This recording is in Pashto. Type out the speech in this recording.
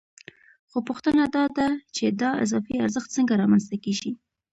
خو پوښتنه دا ده چې دا اضافي ارزښت څنګه رامنځته کېږي